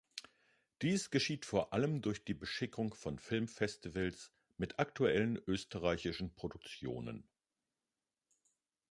Dies geschieht vor allem durch die Beschickung von Filmfestivals mit aktuellen österreichischen Produktionen.